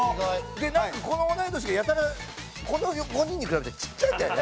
でなんかこの同い年がやたらこの５人に比べたらちっちゃいんだよね。